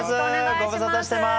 ご無沙汰してます。